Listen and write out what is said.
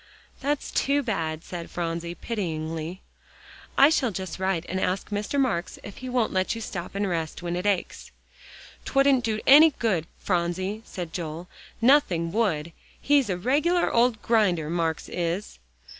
"That's too bad," said Phronsie pityingly, "I shall just write and ask Mr. Marks if he won't let you stop and rest when it aches." "'Twouldn't do any good, Phronsie," said Joel, "nothing would. He's a regular old grinder, Marks is."